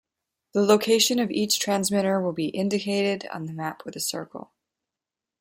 The location of each transmitter will be indicated on the map with a circle.